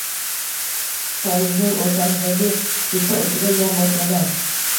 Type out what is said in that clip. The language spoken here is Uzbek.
Polizning o‘rtasidagi supa ustida yonboshlagan